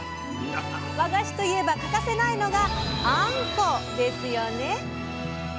和菓子といえば欠かせないのが「あんこ」ですよね！